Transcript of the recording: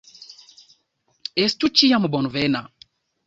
Estu ĉiam bonvena!